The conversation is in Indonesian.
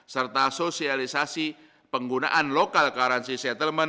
serta sosialisasi penggunaan lokal karansi settlement